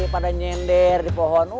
pada nyender di pohon